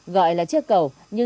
gọi là chiếc cầu